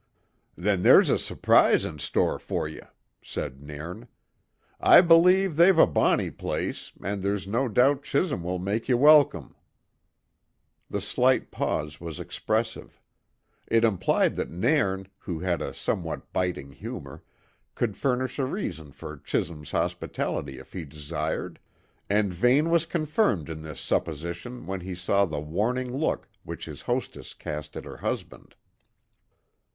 "Then there's a surprise in store for ye," said Nairn. "I believe they've a bonny place, and there's no doubt Chisholm will make ye welcome." The slight pause was expressive. It implied that Nairn, who had a somewhat biting humour, could furnish a reason for Chisholm's hospitality if he desired, and Vane was confirmed in this supposition when he saw the warning look which his hostess cast at her husband.